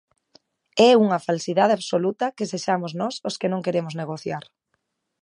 É unha falsidade absoluta que sexamos nós os que non queremos negociar.